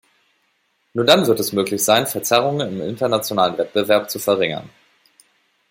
Nur dann wird es möglich sein, Verzerrungen im internationalen Wettbewerb zu verringern.